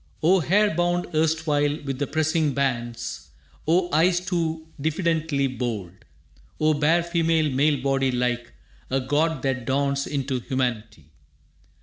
O hair bound erstwhile with the pressing bands! O eyes too diffidently bold! O bare female male body like A god that dawns into humanity!